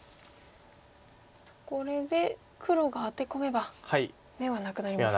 これで黒がアテ込めば眼はなくなりますか。